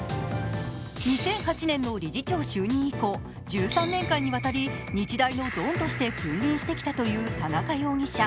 ２００８年の理事長就任以降１３年間にわたり日大のドンとして君臨してきたという田中容疑者。